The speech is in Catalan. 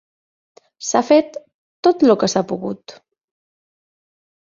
S'ha fet tot lo que s'ha pogut